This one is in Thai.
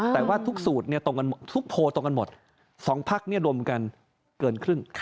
แต่ว่าทุกสูตรทุกโพลตรงกันหมด๒พักรวมกันเกินครึ่ง